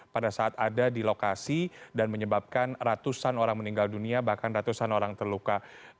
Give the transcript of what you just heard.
pada saat ada di lokasi dan menyebabkan ratusan orang meninggal dunia bahkan ratusan orang terluka